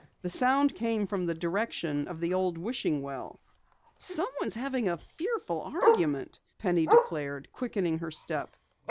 The sound came from the direction of the old wishing well. "Someone is having a fearful argument!" Penny declared, quickening her step.